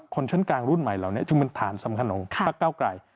คนชั้นกลางรุ่นใหม่เหล่านี้จึงเป็นฐานสำคัญของพักเก้าไกล